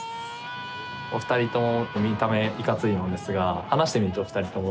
お二人とも見た目いかついのですが話してみると２人とも